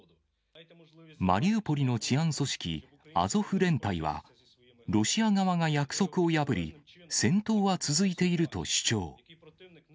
マリウポリの治安組織、アゾフ連隊は、ロシア側が約束を破り、戦闘は続いていると主張。